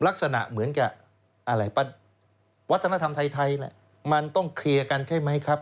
ลักษณะเหมือนกับอะไรวัฒนธรรมไทยมันต้องเคลียร์กันใช่ไหมครับ